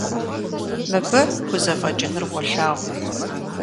Мыбы хузэфӀэкӀынур уолъагъу.